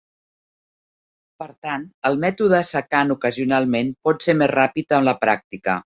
Per tant, el mètode secant ocasionalment pot ser més ràpid en la pràctica.